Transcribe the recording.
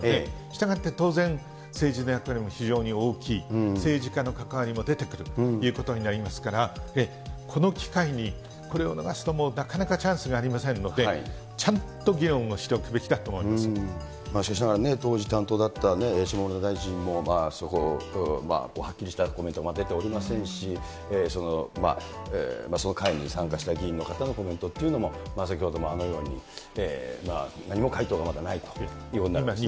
従って当然、政治の役割も非常に大きい、政治家の関わりも出てくるということになりますから、この機会に、これを逃すともうなかなかチャンスがありませんので、ちゃんと議しかしながら、当時担当だった下村大臣も、はっきりしたコメント、出ておりませんし、その会に参加した議員の方のコメントっていうのも、先ほどもあのように、何も回答がまだないということになりますね。